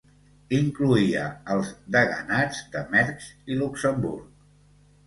Incloïa els deganats de Mersch i Luxemburg.